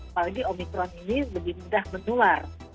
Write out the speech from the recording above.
apalagi omikron ini lebih mudah menular